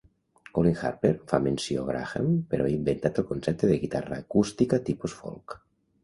Colin Harper fa menció a Graham per haver inventat el concepte de guitarra acústica tipus folk.